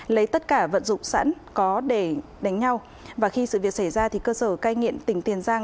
lấy tất cả vận dụng sẵn có để đánh nhau và khi sự việc xảy ra thì cơ sở cai nghiện tỉnh tiền giang